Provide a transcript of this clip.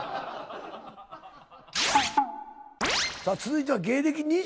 さあ続いては芸歴